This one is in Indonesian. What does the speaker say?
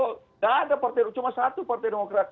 tidak ada partai cuma satu partai demokrat